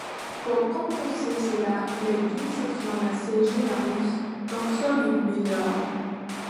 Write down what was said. Pour compenser cela il est d'une section assez généreuse, donc solide mais lourd.